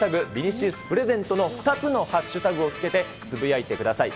ビニシウスプレゼントの２つのハッシュタグをつけてつぶやいてください。